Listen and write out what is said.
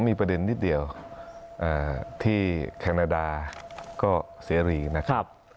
มีประเด็นนิดเดียวที่แคนาดาก็เสรีนะครับ